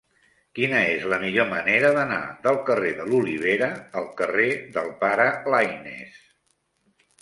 Quina és la millor manera d'anar del carrer de l'Olivera al carrer del Pare Laínez?